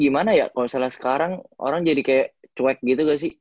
gimana ya kalau misalnya sekarang orang jadi kayak cuek gitu gak sih